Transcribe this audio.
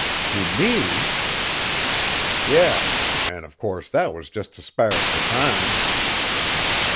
"To me?" "Yes. An' course that was just t' spar fur time."